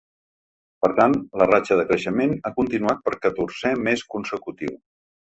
Per tant, la ratxa de creixement ha continuat per catorzè mes consecutiu.